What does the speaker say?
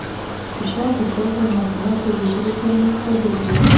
فشار د ځواک او مساحت په ویشلو سره حسابېږي.